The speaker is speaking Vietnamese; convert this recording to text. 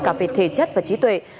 cả về thể chất và trí tuệ